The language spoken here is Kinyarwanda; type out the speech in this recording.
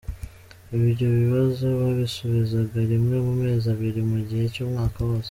Ibyo bibazo babisubizaga rimwe mu mezi abiri mu gihe cy’umwaka wose.